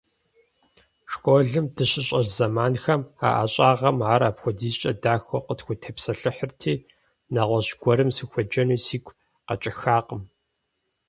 Школым дыщыщӀэс зэманхэм а ӀэщӀагъэм ар апхуэдизкӀэ дахэу къытхутепсэлъыхьырти, нэгъуэщӀ гуэрым сыхуеджэну сигу къэкӀыхакъым.